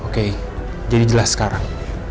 oke jadi jelas sekarang